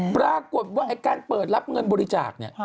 ปรากฏว่าไอ้การเปิดรับเงินบริจาคเนี่ย